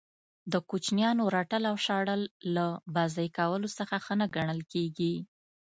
د کوچنیانو رټل او شړل له بازئ کولو څخه ښه نه ګڼل کیږي.